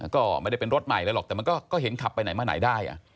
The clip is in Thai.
ก็ไม่ได้เป็นรถใหม่อะไรหรอกแต่มันก็เห็นขับไปไหนมาไหนได้